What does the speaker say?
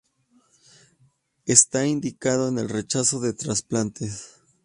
Está indicado en el rechazo de trasplantes.